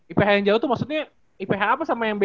iph yang jauh itu maksudnya iph apa sama yang b